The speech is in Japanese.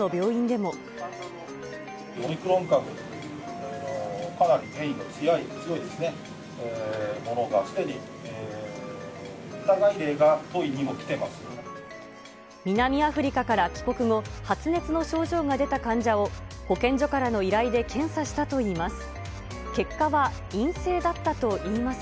ものが、南アフリカから帰国後、発熱の症状が出た患者を、保健所からの依頼で検査したといいます。